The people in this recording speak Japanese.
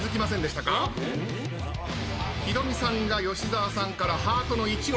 ヒロミさんが吉沢さんからハートの１を引いたこの場面。